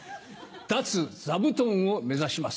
脱座布団を目指します。